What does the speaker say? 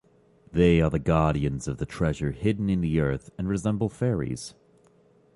They are the guardians of the treasure hidden in the earth and resemble fairies.